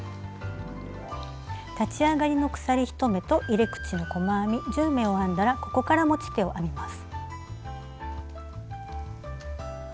立ち上がりの鎖１目と入れ口の細編み１０目を編んだらここから持ち手を編みます。